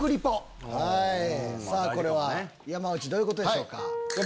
これは山内どういうことでしょうか？